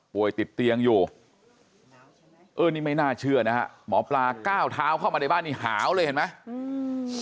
ติดเตียงอยู่เออนี่ไม่น่าเชื่อนะฮะหมอปลาก้าวเท้าเข้ามาในบ้านนี้หาวเลยเห็นไหมอืม